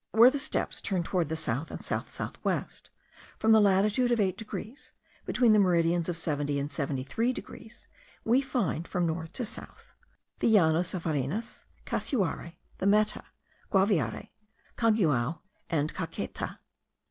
Where the steppes turn towards the south and south south west, from the latitude of 8 degrees, between the meridians of 70 and 73 degrees, we find from north to south, the Llanos of Varinas, Casanare, the Meta, Guaviare, Caguau, and Caqueta.